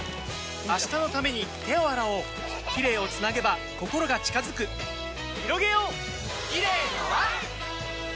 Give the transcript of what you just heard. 明日のために手を洗おうキレイをつなげば心が近づくひろげようキレイの輪！